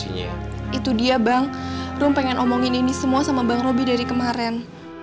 itu dia bang rum pengen omongin ini semua sama bang roby dari kemarin